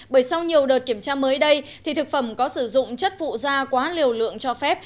bởi sau nhiều đợt kiểm tra mới đây thì thực phẩm có sử dụng chất phụ da quá liều lượng cho phép